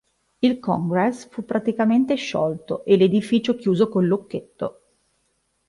Il Congress fu praticamente sciolto, e l'edificio chiuso col lucchetto.